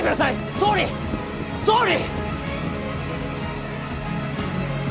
総理総理！